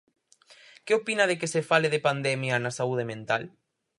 Que opina de que se fale de "pandemia" na saúde mental?